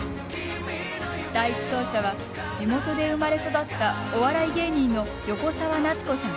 第１走者は地元で生まれ育ったお笑い芸人の横澤夏子さん。